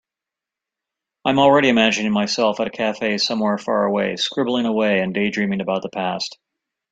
I am already imagining myself at a cafe somewhere far away, scribbling away and daydreaming about the past.